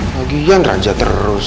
lagian raja terus